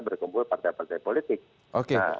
berkumpul partai partai politik